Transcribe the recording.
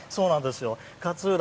勝浦